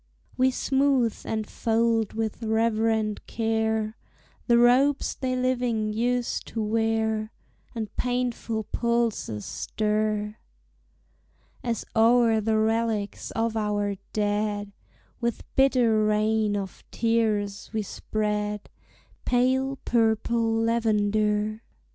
We smooth and fold with reverent care The robes they living used to wear; And painful pulses stir As o'er the relics of our dead, With bitter rain of tears, we spread Pale purple lavender.